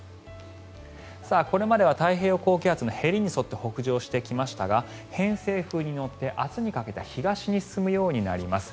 これまでは太平洋高気圧のへりに沿って北上してきましたが偏西風に乗って、明日にかけて東に進むようになります。